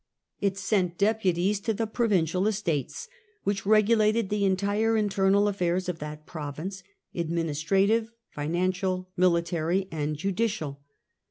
It sent deputies to the Provincial Estates, which regulated the entire internal affairs of that province, administrative, financial, military, and judicial.